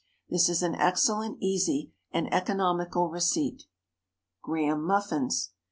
This is an excellent, easy, and economical receipt. GRAHAM MUFFINS.